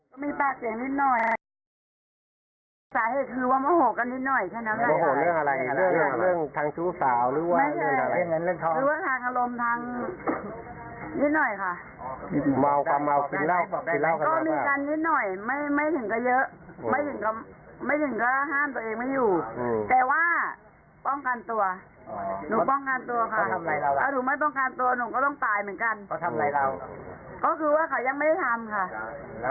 ก็ต้องตายเหมือนกันก็คือว่าเขายังไม่ได้ทำค่ะ